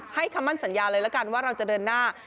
คำมั่นสัญญาเลยละกันว่าเราจะเดินหน้า